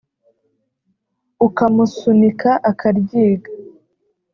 ukamusunika akaryiga